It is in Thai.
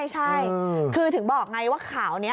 ใช่คือถึงบอกไงว่าข่าวนี้